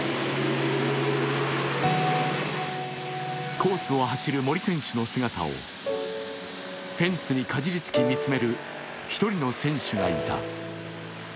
コースを走る森選手の姿をフェンスにかじりつき見つめる一人の選手がいた。